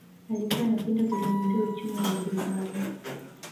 Alikuwa anapenda kuzungumzia uchumi wa ujerumani